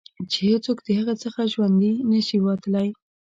چې هېڅوک د هغه څخه ژوندي نه شي وتلای.